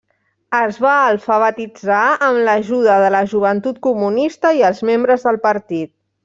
Es va alfabetitzar amb l'ajuda de la Joventut Comunista i els membres del partit.